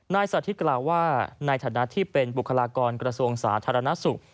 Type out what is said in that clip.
สาธิตกล่าวว่าในฐานะที่เป็นบุคลากรกระทรวงสาธารณสุข